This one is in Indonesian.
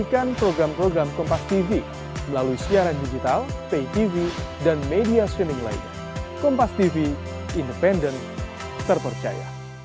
kalau hukumnya kami ada di sini